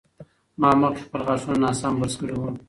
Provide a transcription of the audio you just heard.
ما مخکې خپل غاښونه ناسم برس کړي وو.